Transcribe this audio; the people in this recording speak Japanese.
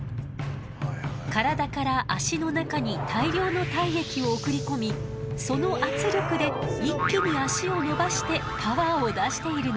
体から脚の中に大量の体液を送り込みその圧力で一気に脚を伸ばしてパワーを出しているの。